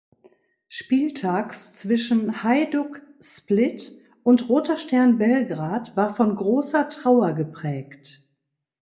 Spieltags zwischen Hajduk Split und Roter Stern Belgrad war von großer Trauer geprägt.